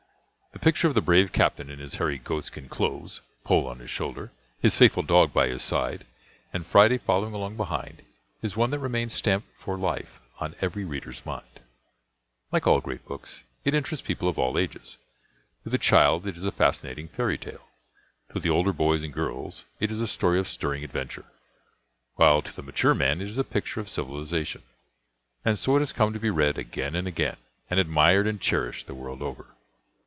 The picture of the brave captain in his hairy goatskin clothes, Poll on his shoulder, his faithful dog by his side, and Friday following along behind, is one that remains stamped for life on every reader's mind. Like all great books, it interests people of all ages. To the child it is a fascinating fairy tale; to the older boys and girls it is a story of stirring adventure, while to the mature man it is a picture of civilization. And so it has come to be read again and again, and admired and cherished the world over.